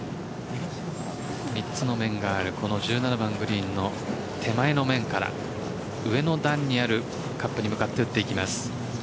３つの面があるこの１７番グリーンの手前の面から上の段にあるカップに向かって打っていきます。